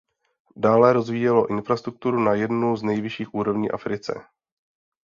Dále rozvíjelo infrastrukturu na jednu z nejvyšších úrovní v Africe.